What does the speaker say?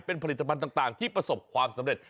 เป็นผลิตภัณฑ์ต่างที่ประสบความสำเร็จ